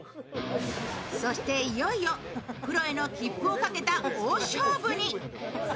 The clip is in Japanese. そしていよいよ、プロへの切符をかけた大勝負に。